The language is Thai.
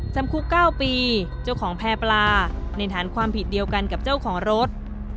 จำคุก๙ปีเจ้าของแพร่ปลาในฐานความผิดเดียวกันกับเจ้าของรถ